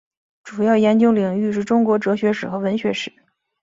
主要研究领域是中国哲学史和文学史。